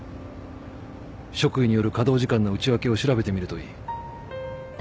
職位による稼働時間の内訳を調べてみるといい。